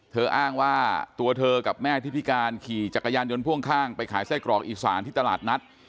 อ้างว่าตัวเธอกับแม่ที่พิการขี่จักรยานยนต์พ่วงข้างไปขายไส้กรอกอีสานที่ตลาดนัด